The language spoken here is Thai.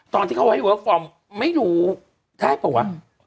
ตอนที่เขาให้เวิร์คฟอร์มไม่รู้ได้เปล่าวะ